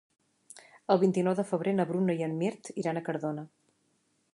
El vint-i-nou de febrer na Bruna i en Mirt iran a Cardona.